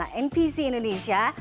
nah npc indonesia